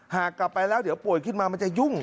หากกลับไปแล้วเดี๋ยวป่วยขึ้นมามันจะยุ่ง